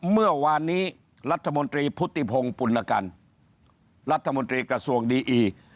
เมื่อวานนี้รัฐมนตรีพุทธิพงศ์ปุณกันรัฐมนตรีกระทรวงดีอี